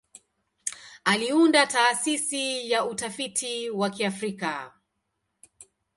Aliunda Taasisi ya Utafiti wa Kiafrika.